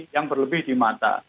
yang berlebih di mata